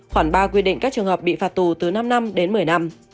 khoảng ba quy định các trường hợp bị phạt tù từ năm năm đến một mươi năm